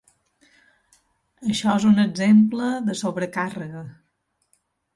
Això és un exemple de sobrecàrrega.